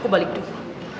aku balik dulu